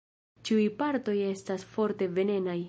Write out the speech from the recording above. Ĉiuj partoj estas forte venenaj.